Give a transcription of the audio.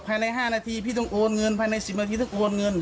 ภายใน๕นาทีพี่ต้องโอนเงินภายใน๑๐นาทีต้องโอนเงิน